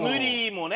もね。